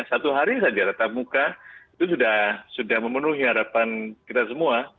satu hari saja tetap muka itu sudah memenuhi harapan kita semua